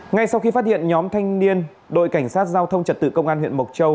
ngay sau khi phát hiện nhóm thanh niên đội cảnh sát giao thông trật tự công an huyện mộc châu